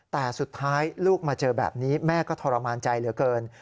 แต่สุดท้ายลูกมาเจอแบบนี้แม่ก็ทรมานใจเหลือเกิน